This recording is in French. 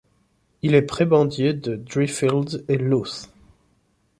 Il est prébendier de Driffield et Louth.